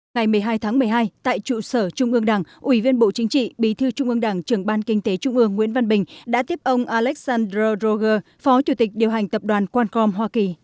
ngày một mươi hai tháng một mươi hai tại trụ sở trung ương đảng ủy viên bộ chính trị bí thư trung ương đảng trưởng ban kinh tế trung ương nguyễn văn bình đã tiếp ông alexander roger phó chủ tịch điều hành tập đoàn quancom hoa kỳ